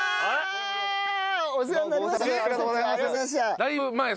ありがとうございます。